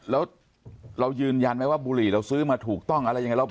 แล้วเรายืนยันไหมว่าบุหรี่เราซื้อมาถูกต้องอะไรยังไง